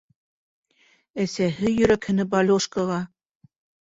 Әсәһе йөрәкһенеп Алёшкаға: